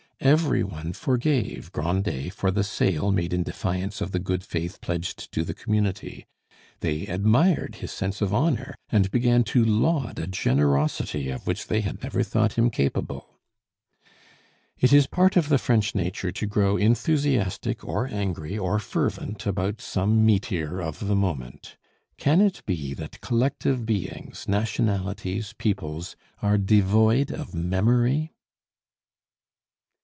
Every one forgave Grandet for the sale made in defiance of the good faith pledged to the community; they admired his sense of honor, and began to laud a generosity of which they had never thought him capable. It is part of the French nature to grow enthusiastic, or angry, or fervent about some meteor of the moment. Can it be that collective beings, nationalities, peoples, are devoid of memory?